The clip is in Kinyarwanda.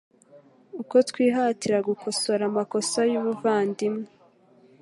Uko twihatira gukosora amakosa y'umuvandimwe,